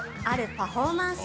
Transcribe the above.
◆パフォーマンス。